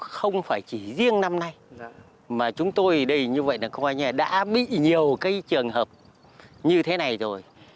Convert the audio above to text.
không phải chỉ riêng năm nay mà chúng tôi ở đây như vậy là đã bị nhiều trường hợp như thế này rồi